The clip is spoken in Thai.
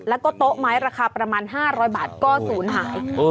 แล้วก็โต๊ะไม้ราคาประมาณ๕๐๐บาทก็ศูนย์หาย